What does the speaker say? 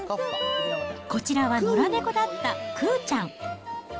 こちらは野良猫だったくーちゃん。